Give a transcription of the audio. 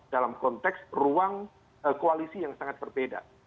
dalam konteks ruang koalisi yang sangat berbeda